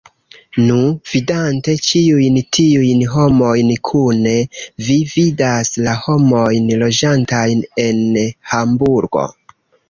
Nu, vidante ĉiujn tiujn homojn kune, vi vidas la homojn loĝantajn en Hamburgo.